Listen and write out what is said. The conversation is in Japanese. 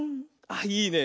あっいいね。